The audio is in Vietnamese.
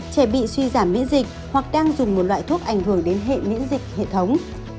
trẻ bị suy giảm miễn dịch hoặc đang dùng một loại thuốc ảnh hưởng đến hệ miễn dịch hệ thống